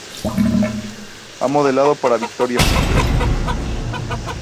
Ha modelado para Victoria's Secret.